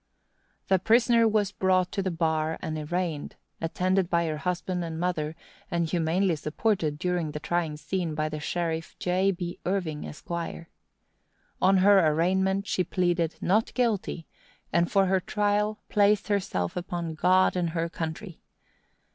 The prisoner was brought to the bar and arraigned, attended by her husband and mother, and humanely supported, during the trying scene, by the sheriff, J. B. Irving, Esq. On her arraignment, she pleaded "Not Guilty," and for her trial, placed herself upon "God and her country."